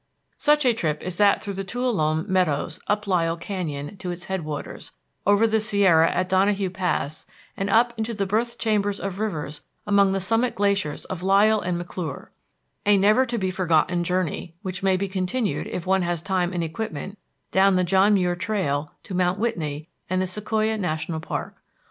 Such a trip is that through Tuolumne Meadows up Lyell Canyon to its headwaters, over the Sierra at Donohue Pass, and up into the birth chambers of rivers among the summit glaciers of Lyell and McClure a never to be forgotten journey, which may be continued, if one has time and equipment, down the John Muir Trail to Mount Whitney and the Sequoia National Park.